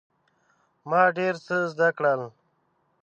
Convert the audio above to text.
ما ډیر څه زده کړل.